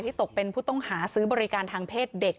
ตกเป็นผู้ต้องหาซื้อบริการทางเพศเด็ก